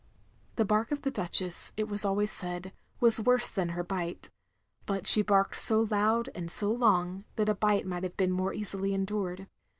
The bark of the Duchess, it was always said, was worse than her bite; but she barked so loud and so long, that a bite might have been more easily endured.